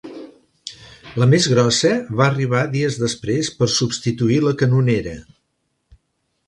La més grossa va arribar dies després, per substituir la canonera.